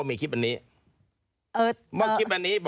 ว่าคริปนี้บอกว่ามี